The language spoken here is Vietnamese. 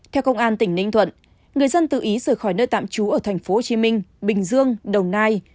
theo công an tỉnh ninh thuận người dân tự ý rời khỏi nơi tạm trú ở tp hcm bình dương đồng nai